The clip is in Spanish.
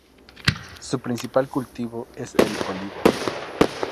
Su principal cultivo es el olivo.